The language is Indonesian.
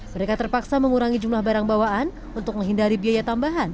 mereka terpaksa mengurangi jumlah barang bawaan untuk menghindari biaya tambahan